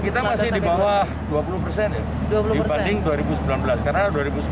kita masih di bawah dua puluh persen ya dibanding dua ribu sembilan belas